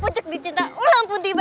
pucuk dicinta ulang pun tiba